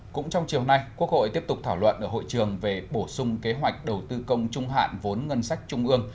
cũng trong chiều nay quốc hội tiếp tục thảo luận ở hội trường về bổ sung kế hoạch đầu tư công trung hạn vốn ngân sách trung ương